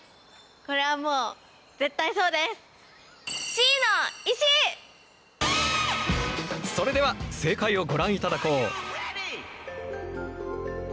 これはもうそれでは正解をご覧いただこう。